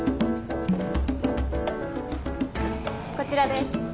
こちらです